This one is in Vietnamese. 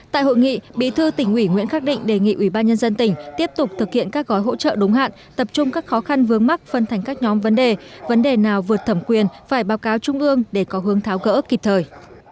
tại hội nghị bí thư tỉnh ủy nguyễn khắc định đề nghị ubnd tỉnh tiếp tục thực hiện các gói hỗ trợ đúng hạn tập trung các khó khăn vướng mắc phân thành các nhóm vấn đề vấn đề nào vượt thẩm quyền phải báo cáo trung ương để có hướng tháo gỡ ước kịp thời